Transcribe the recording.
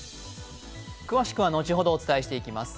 詳しくは後ほどお伝えしてまいります。